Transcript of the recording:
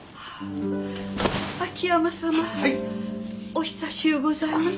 お久しゅうございます。